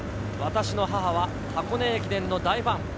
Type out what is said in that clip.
私の母は箱根駅伝の大ファン。